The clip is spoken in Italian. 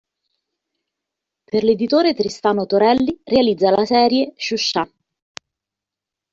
Per l'editore Tristano Torelli realizza la serie "Sciuscià".